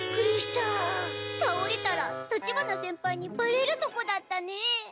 たおれたら立花先輩にバレるとこだったね。